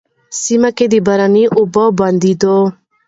سيمه کي د باراني اوبو د بندېدو،